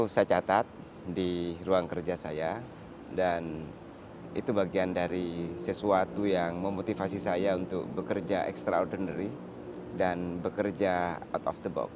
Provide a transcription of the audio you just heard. saya catat di ruang kerja saya dan itu bagian dari sesuatu yang memotivasi saya untuk bekerja extraordinary dan bekerja out of the box